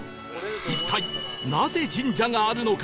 一体なぜ神社があるのか？